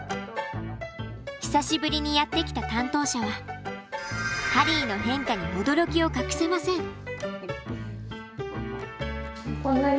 久しぶりにやって来た担当者はハリーの変化に驚きを隠せません。